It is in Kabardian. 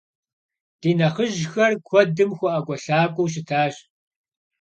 Ди нэхъыжьхэр куэдым хуэӏэкӏуэлъакӏуэу щытащ.